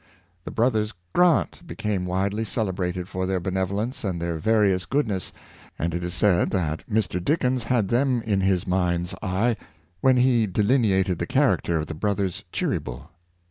The brothers Grant became widely celebrated for their benevolence and their various goodness, and it is said that Mr. Dickens had them in his mind's eye when delineating the character of the brothers Cheery ble.